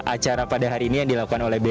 acara pada hari ini yang dilakukan oleh